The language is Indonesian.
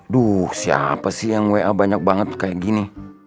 duh siapa sih yang wa banyak banget kayak gini